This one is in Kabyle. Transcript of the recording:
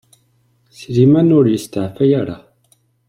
Sliman ur yesteɛfay ara.